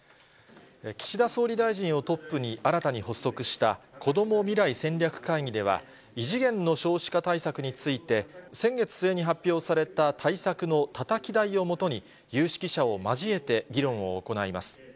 岸田総理大臣をトップに新たに発足した、こども未来戦略会議では、異次元の少子化対策について、先月末に発表された対策のたたき台をもとに、有識者を交えて議論を行います。